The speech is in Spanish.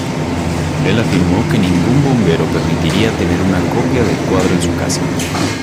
Él afirmó que ningún bombero permitiría tener una copia del cuadro en su casa.